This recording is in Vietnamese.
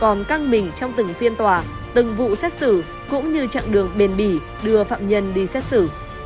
còn căng mình trong từng phiên tòa từng vụ xét xử cũng như chặng đường bền bỉ đưa phạm nhân đi xét xử